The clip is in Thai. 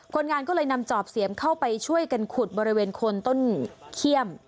คนงานก็เลยนำจอบเสียมเข้าไปช่วยกันขุดบริเวณคนต้นเขี้ยม